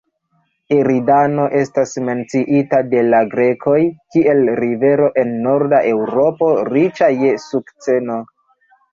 Eridano estas menciita de la grekoj, kiel rivero en norda Eŭropo, riĉa je sukceno.